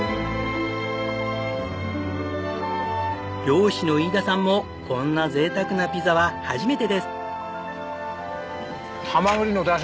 漁師の飯田さんもこんな贅沢なピザは初めてです。